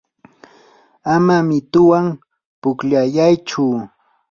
ama mituwan pukllayaychu.